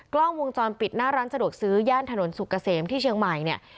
กล้องวงจรปิดหน้าร้านสะดวกซื้อย่านถนนสุกเกษมที่เชียงใหม่เนี่ย